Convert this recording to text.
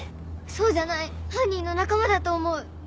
そうじゃない犯人の仲間だと思う。